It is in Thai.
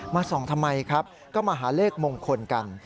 ส่องทำไมครับก็มาหาเลขมงคลกัน